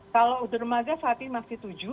kalau dermaga saat ini masih tujuh